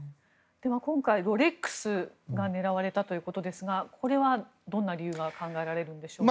今回、ロレックスが狙われたということですがこれはどんな理由が考えられるんでしょうか。